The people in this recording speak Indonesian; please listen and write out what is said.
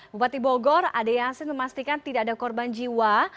bupati bogor ada yang memastikan tidak ada korban jiwa